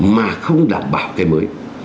mà không đảm bảo cái mới